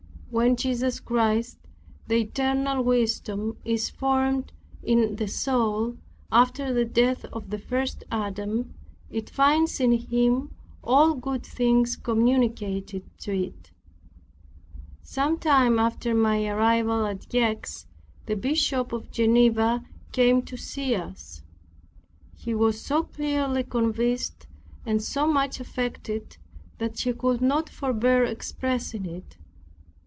When Jesus Christ, the eternal wisdom, is formed in the soul, after the death of the first Adam, it finds in Him all good things communicated to it. Sometime after my arrival at Gex, the Bishop of Geneva came to see us. He was so clearly convinced, and so much affected, that he could not forbear expressing it.